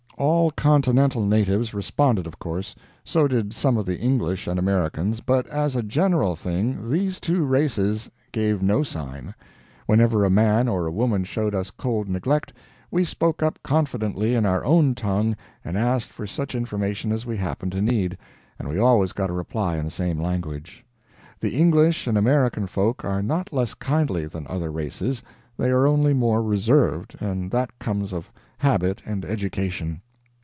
All continental natives responded of course; so did some of the English and Americans, but, as a general thing, these two races gave no sign. Whenever a man or a woman showed us cold neglect, we spoke up confidently in our own tongue and asked for such information as we happened to need, and we always got a reply in the same language. The English and American folk are not less kindly than other races, they are only more reserved, and that comes of habit and education.